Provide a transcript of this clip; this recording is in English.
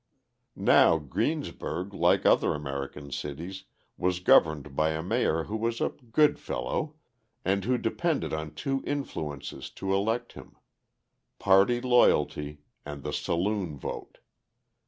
Now Greensburg, like other American cities, was governed by a mayor who was a "good fellow," and who depended on two influences to elect him: party loyalty and the saloon vote.